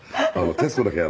『徹子の部屋』